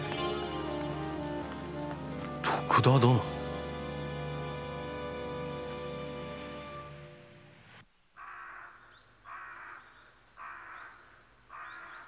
徳田殿に。